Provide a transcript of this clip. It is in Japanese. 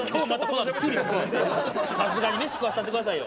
さすがに、飯食わせたってくださいよ。